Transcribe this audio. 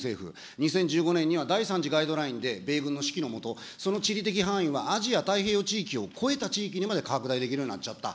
２０１５年には第３次ガイドラインで米軍の指揮の下、その地理的範囲はアジア太平洋地域を越えた地域にまで拡大できるようになっちゃった。